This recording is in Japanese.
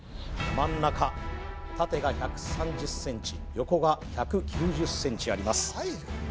真ん中縦が１３０ｃｍ横が１９０ｃｍあります